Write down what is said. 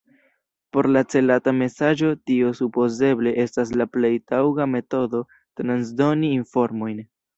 Por la celata mesaĝo tio supozeble estas la plej taŭga metodo transdoni informojn.